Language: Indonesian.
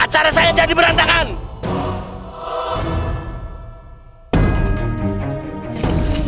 acara saya jadi berantakan